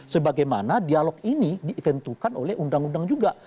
sebagaimana dialog ini ditentukan oleh undang undang juga